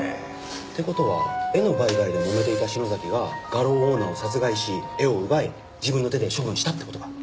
って事は絵の売買でもめていた篠崎が画廊オーナーを殺害し絵を奪い自分の手で処分したって事か？